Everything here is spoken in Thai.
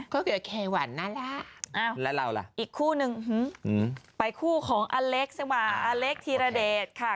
ก็เกลียดเควันน่ารักแล้วเราล่ะอีกคู่นึงไปคู่ของอเล็กซ์ว่าอเล็กซ์ธีรเดชค่ะ